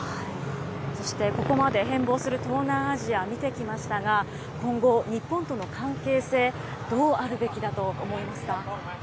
そしてここまで変貌する東南アジア見てきましたが、今後、日本との関係性、どうあるべきだと思いますか。